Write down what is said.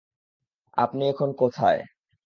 আপনি এখন কোথায়?